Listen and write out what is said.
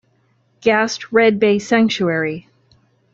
Gast Red Bay Sanctuary.